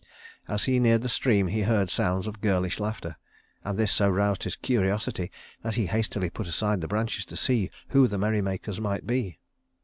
As he neared the stream he heard sounds of girlish laughter, and this so roused his curiosity that he hastily put aside the branches to see who the merrymakers might be.